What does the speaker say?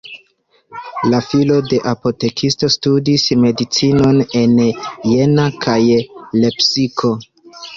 La filo de apotekisto studis medicinon en Jena kaj Lepsiko.